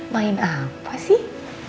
main apa sih